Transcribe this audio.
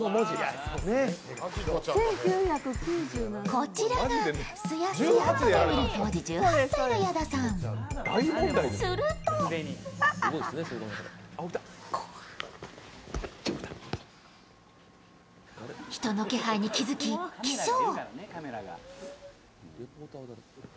こちらが、すやすやと眠る当時１８歳の矢田さん、すると人の気配に気付き、起床。